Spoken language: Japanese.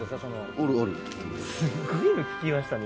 すごいの聞きましたね